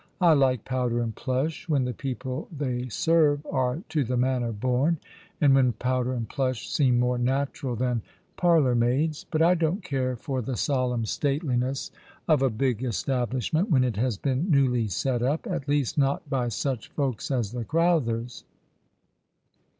I like powder and plush when the people they serve are to the manner born, and when powder and plush seem more natural than parlour maids ; but I don't care for the solemn stateliness of a big establishment when it has been newly set up — at least, not by such folks as the Crowthers.